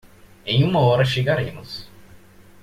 Em uma hora chegaremos